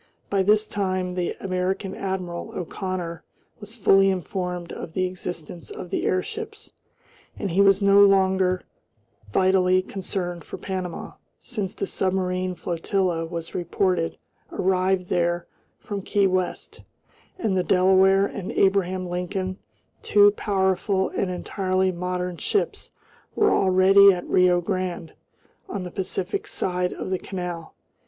By this time the American admiral, O'Connor, was fully informed of the existence of the airships, and he was no longer vitally concerned for Panama, since the submarine flotilla was reported arrived there from Key West, and the Delaware and Abraham Lincoln, two powerful and entirely modern ships, were already at Rio Grande, on the Pacific side of the canal.